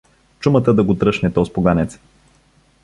Чумата да го тръшне тоз поганец!